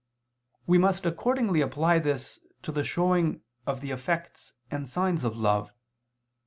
We must accordingly apply this to the showing of the effects and signs of love.